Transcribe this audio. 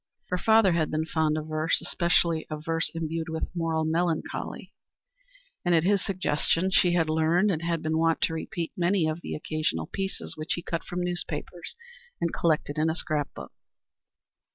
Her father had been fond of verse, especially of verse imbued with moral melancholy, and at his suggestion she had learned and had been wont to repeat many of the occasional pieces which he cut from the newspapers and collected in a scrap book.